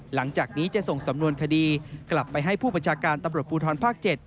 หลังจากนี้จะส่งสำนวนคดีกลับไปให้ผู้ประชาการตำรวจภูทรภาค๗